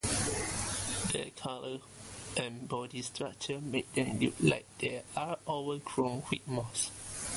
Their color and body structure make them look like they are overgrown with moss.